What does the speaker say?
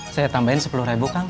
saya tambahin sepuluh ribu kang